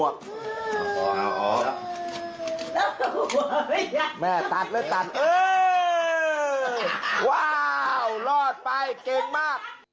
ว้าวรอดไปเก่งมาก